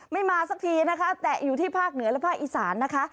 มาสักทีนะคะแต่อยู่ที่ภาคเหนือและภาคอีสานนะคะ